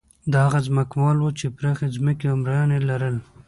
دا هغه ځمکوال وو چې پراخې ځمکې او مریان یې لرل.